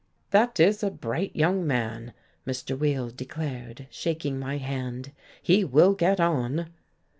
"That is a bright young man," Mr. Weill declared, shaking my hand. "He will get on."